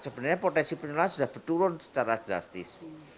sebenarnya potensi penularan sudah berturun secara drastis